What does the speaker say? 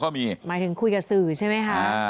ก็มีเพราะโบสถ์เพราะี่โมโภก็มี